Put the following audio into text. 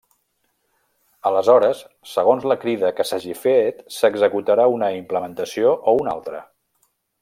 Aleshores segons la crida que s'hagi fet s'executarà una implementació o una altra.